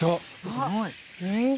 すごい！